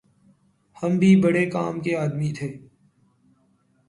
ہم بھی بھڑے کام کے آدمی تھے